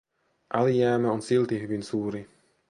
Alijäämä on silti hyvin suuri.